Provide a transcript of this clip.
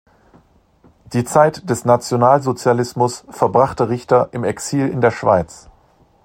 Die Zeit des Nationalsozialismus verbrachte Richter im Exil in der Schweiz.